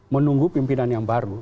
menunggu pimpinan yang baru